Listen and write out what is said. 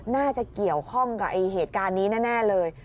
น่าจะเกี่ยวข้องกับเหตุการณ์นี้แน่เลย